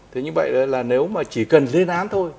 thế như vậy là nếu mà chỉ cần lên án thôi